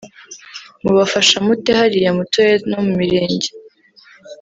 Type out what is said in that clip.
Mubafasha mute hariya mu turere no mu mirenge